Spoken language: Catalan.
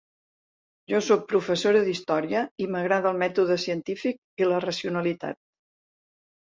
Jo sóc professora d’història i m’agrada el mètode científic i la racionalitat.